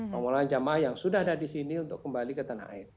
pemulangan jamaah yang sudah ada di sini untuk kembali ke tanah air